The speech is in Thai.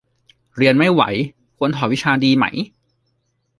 เรียนไม่ไหว ควรถอนวิชาดีไหม